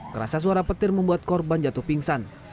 kerasa suara petir membuat korban jatuh pingsan